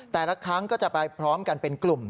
แต่ละครั้งก็จะไปพร้อมกันเป็นกลุ่ม